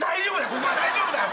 ここは大丈夫だよ。